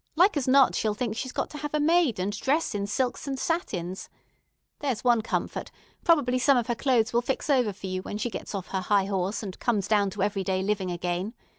Like as not she'll think she's got to have a maid, and dress in silks and satins. There's one comfort; probably some of her clothes will fix over for you when she gets off her high horse and comes down to every day living again.